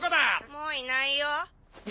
もういないよ。